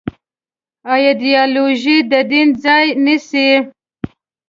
ایدیالوژي د دین ځای نيسي.